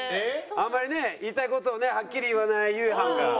あんまりね言いたい事をはっきり言わないゆいはんが。